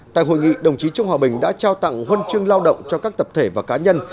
tại hội nghị đồng chí trương hòa bình đã trao tặng huân chương lao động cho các tập thể và cá nhân